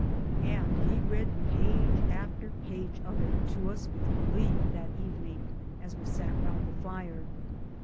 And he read page after page of it to us with glee that evening as we sat round the fire.